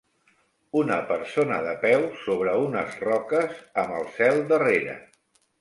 Una persona de peu sobre unes roques amb el cel darrere.